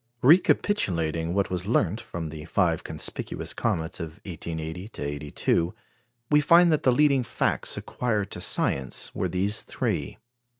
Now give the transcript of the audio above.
Recapitulating what was learnt from the five conspicuous comets of 1880 82, we find that the leading facts acquired to science were these three.